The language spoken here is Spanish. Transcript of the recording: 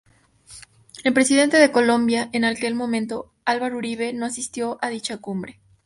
El presidente de Colombia en aquel momento, Álvaro Uribe, no asistió a dicha cumbre.